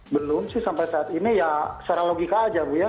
belum sih sampai saat ini ya secara logika aja bu ya